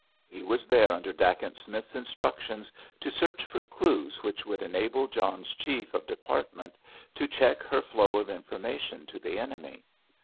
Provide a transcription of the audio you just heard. He was there under Dacent Smith's instructions to search for clues which would enable John's chief of department to check her flow of information to the enemy.